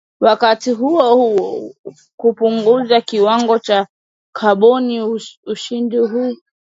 wakati huohuo kupunguza kiwango cha kaboni Ushindi huu